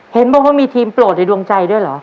เห็นบอกว่ามีทีมโปรดในดวงใจด้วยเหรอ